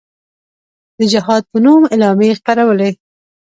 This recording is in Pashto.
د جهاد په نوم اعلامیې خپرولې.